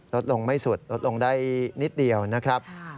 ลดลงไม่สุดลดลงได้นิดเดียวนะครับ